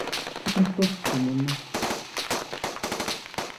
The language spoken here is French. Que t’importe mon nom !